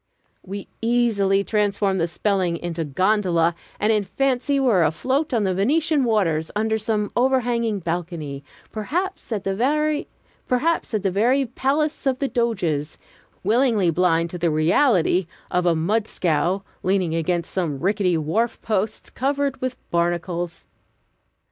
We easily transformed the spelling into "gondola," and in fancy were afloat on Venetian waters, under some overhanging balcony, perhaps at the very Palace of the Doges, willingly blind to the reality of a mudscow leaning against some rickety wharf posts, covered with barnacles.